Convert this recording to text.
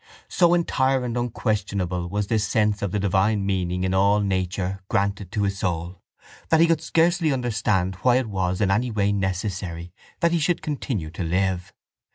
So entire and unquestionable was this sense of the divine meaning in all nature granted to his soul that he could scarcely understand why it was in any way necessary that he should continue to live.